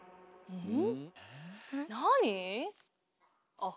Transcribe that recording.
うん。